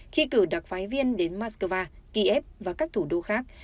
khi cử đặc phái viên đến moscow kiev và các thủ đô khác